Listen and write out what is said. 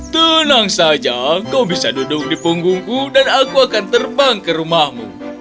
tenang saja kau bisa duduk di punggungku dan aku akan terbang ke rumahmu